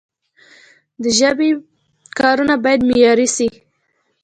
د ژبي کارونه باید معیاري سی.